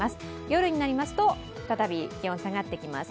夜になりますと、再び、気温、下がってきます。